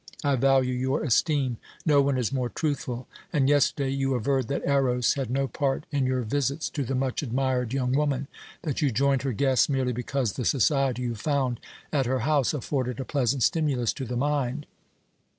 I value your esteem. No one is more truthful, and yesterday you averred that Eros had no part in your visits to the much admired young woman, that you joined her guests merely because the society you found at her house afforded a pleasant stimulus to the mind.